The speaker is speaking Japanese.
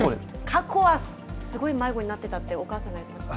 過去は、すごい迷子になってたってお母さんが言ってました。